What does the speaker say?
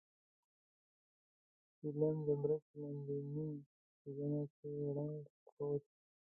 چيلم د برج په لاندنۍ زينه کې ړنګ پروت و.